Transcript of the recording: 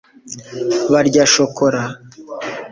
barya shokora